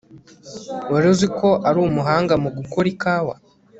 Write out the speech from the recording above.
Wari uzi ko ari umuhanga mu gukora ikawa